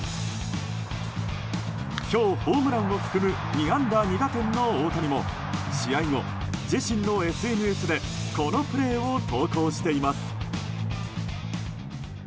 今日、ホームランを含む２安打２打点の大谷も試合後、自身のＳＮＳでこのプレーを投稿しています。